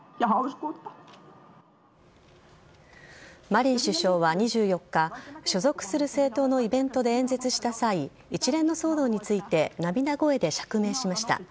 マリン首相は２４日所属する政党のイベントで演説した際一連の騒動について涙声で釈明しました。